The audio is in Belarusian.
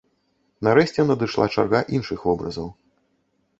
Нарэшце надышла чарга іншых вобразаў.